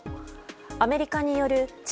アメリカによる地